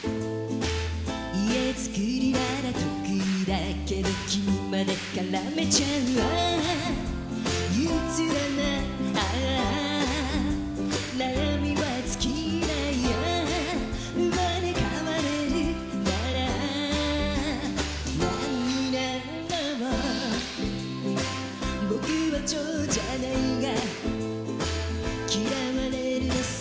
家作りなら得意だけどキミまで絡めちゃうＡｈ憂うつだなＡｈ悩みは尽きないＡｈ生まれ変われるなら何になろう僕はチョウじゃないガ嫌われるのさ